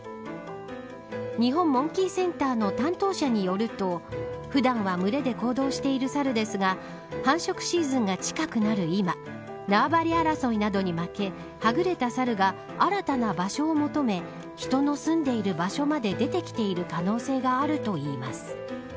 日本モンキーセンターの担当者によると普段は群れで行動しているサルですが繁殖シーズンが近くなる今縄張り争いなどに負けはぐれたサルが新たな場所を求め人の住んでいる場所まで出てきている可能性があるといいます。